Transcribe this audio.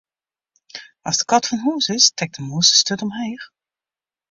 As de kat fan hûs is, stekt de mûs de sturt omheech.